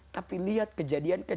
tapi lihat kejadian yang berhasil